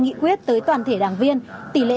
nghị quyết tới toàn thể đảng viên tỷ lệ